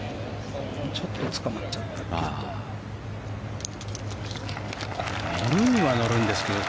ちょっとつかまっちゃったけど。